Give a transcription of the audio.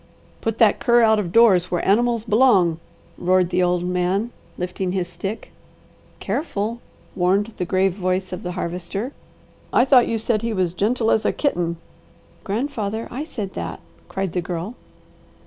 "Put that cur out of doors, where animals belong," roared the old man, lifting his stick. "Careful!" warned the grave voice of the Harvester. "I thought you said he was gentle as a kitten!" "Grandfather, I said that," cried the Girl.